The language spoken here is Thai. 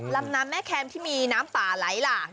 ลำน้ำแม่แคมที่มีน้ำป่าไหลหลาก